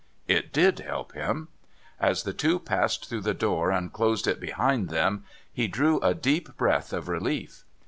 It did help him. As the two passed through the door and closed it behind them, he drew a deep breath of relief.